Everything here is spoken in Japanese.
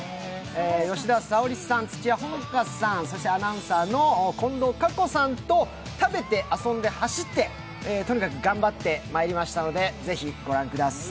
吉田沙保里さん、土屋炎伽さん、そしてアナウンサーの近藤夏子さんと、食べて、遊んで、走って、とにかく頑張ってまいりましたので、ぜひご覧ください。